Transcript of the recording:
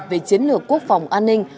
về chiến lược quốc phòng an ninh